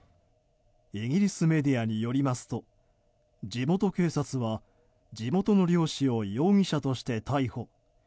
イギリスメディアによりますと地元警察は地元の漁師を容疑者として逮捕。